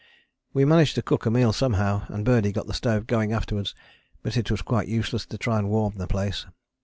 We managed to cook a meal somehow, and Birdie got the stove going afterwards, but it was quite useless to try and warm the place.